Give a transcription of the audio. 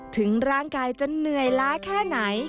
ถึงร่างกายจะเหนื่อยล้าแค่ไหน